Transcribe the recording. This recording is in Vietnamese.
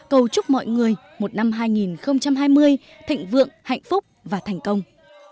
cầu chúc mọi người một năm hai nghìn hai mươi thịnh vượng hạnh phúc và thành công